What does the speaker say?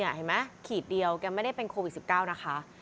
เห็นไหมขีดเดียวแกไม่ได้เป็นโควิด๑๙นะคะ